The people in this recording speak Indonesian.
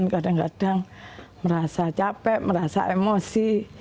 kadang kadang merasa capek merasa emosi